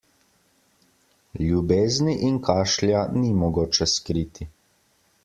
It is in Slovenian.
Ljubezni in kašlja ni mogoče skriti.